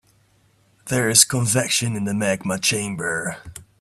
There is convection in the magma chamber.